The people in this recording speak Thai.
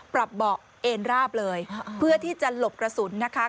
เบาะเอ็นราบเลยเพื่อที่จะหลบกระสุนนะคะ